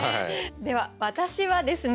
では私はですね